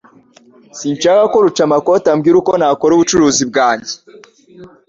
Sinshaka ko Rucamakoti ambwira uko nakora ubucuruzi bwanjye.